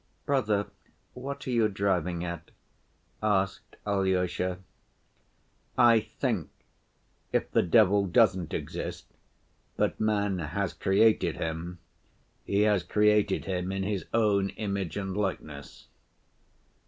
"Brother, what are you driving at?" asked Alyosha. "I think if the devil doesn't exist, but man has created him, he has created him in his own image and likeness."